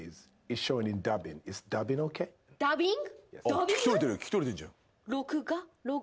ダビング？